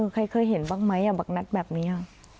ใครเคยเห็นบ้างไหมบักนัดแบบนี้